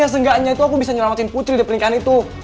seenggaknya itu aku bisa nyelamatin putri di pernikahan itu